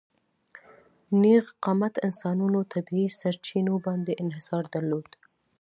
نېغ قامته انسانانو طبیعي سرچینو باندې انحصار درلود.